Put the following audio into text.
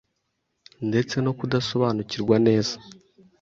ndetse no kudasobanukirwa neza